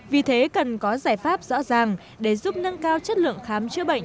vì thế cần có giải pháp rõ ràng để giúp nâng cao chất lượng khám chữa bệnh